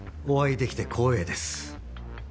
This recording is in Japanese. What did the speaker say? お会いできて光栄です